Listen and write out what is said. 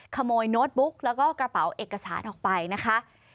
โน้ตบุ๊กแล้วก็กระเป๋าเอกสารออกไปนะคะ